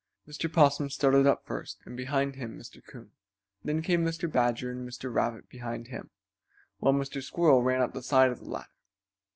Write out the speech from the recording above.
Mr. Possum started up first, and behind him Mr. Coon. Then came Mr. Badger, and Mr. Rabbit behind him, while Mr. Squirrel ran up the side of the ladder.